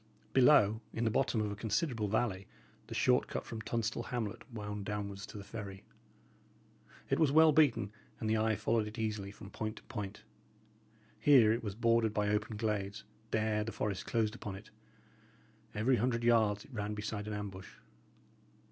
Below, in the bottom of a considerable valley, the short cut from Tunstall hamlet wound downwards to the ferry. It was well beaten, and the eye followed it easily from point to point. Here it was bordered by open glades; there the forest closed upon it; every hundred yards it ran beside an ambush.